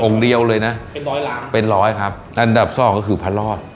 องค์เดียวเลยนะเป็นร้อยครับอันดับ๒ก็คือพระรอศ